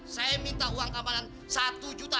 saya minta uang keamanan satu juta